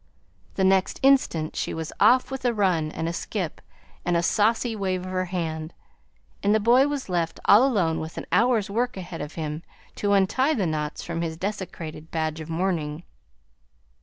The next instant she was off with a run and a skip, and a saucy wave of her hand; and the boy was left all alone with an hour's work ahead of him to untie the knots from his desecrated badge of mourning.